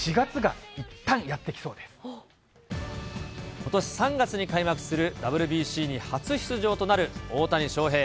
ことし３月に開幕するＷＢＣに初出場となる大谷翔平。